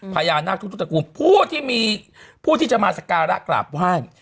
พญานาคทุกกลุ่มผู้ที่จะมาสการรักกราบไหว้